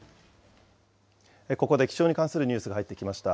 ここで気象に関するニュースが入ってきました。